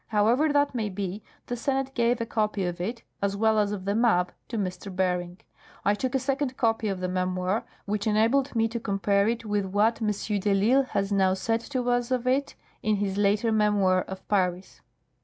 However that may be, the Senate gave a copy of it, as well as of the map, to M. Bering. I took a second copy of the memoir, which enabled me to compare it with what M. de I'Isle has now said to us of it in his later memoir of Paris."